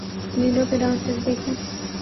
نیلو کے ڈانسز دیکھیں۔